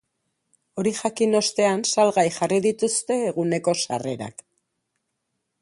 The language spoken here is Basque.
Hori jakin ostean, salgai jarri dituzte eguneko sarrerak.